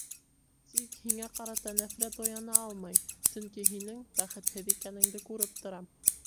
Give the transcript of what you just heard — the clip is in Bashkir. Тик һиңә ҡарата нәфрәт уяна алмай, сөнки һинең бәхетһеҙ икәнеңде күреп торам.